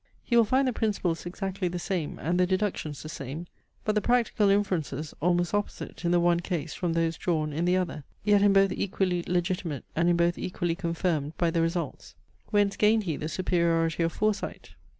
He will find the principles exactly the same and the deductions the same; but the practical inferences almost opposite in the one case from those drawn in the other; yet in both equally legitimate and in both equally confirmed by the results. Whence gained he the superiority of foresight?